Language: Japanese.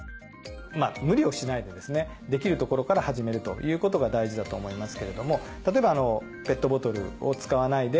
無理をしないでできるところから始めるということが大事だと思いますけれども例えば。